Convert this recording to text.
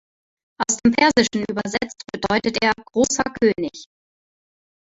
Aus dem persischen übersetzt bedeutet er „Großer König“.